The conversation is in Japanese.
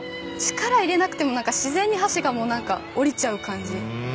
力入れなくても自然に箸が下りちゃう感じ。